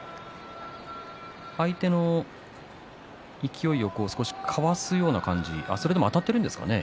相手の勢いを少しかわすような感じそれでもあたっているんですかね